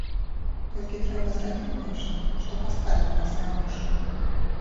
Толькі трэба зрабіць нешта, што паставіць нас на вушы.